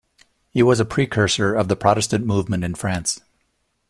He was a precursor of the Protestant movement in France.